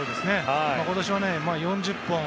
今年は４０本。